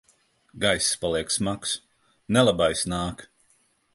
Gaiss paliek smags. Nelabais nāk!